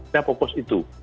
nah fokus itu